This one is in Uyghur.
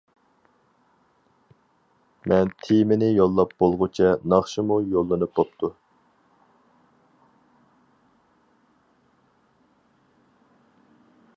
مەن تېمىنى يوللاپ بولغۇچە ناخشىمۇ يوللىنىپ بوپتۇ.